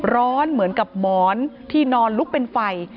ร้อนเหมือนกับหมอนที่นอนลุกเป็นไฟ